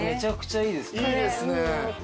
いいですね。